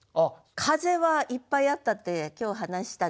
「風」はいっぱいあったって今日話したでしょ。